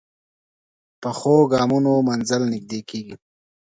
پخو ګامونو منزل نږدې کېږي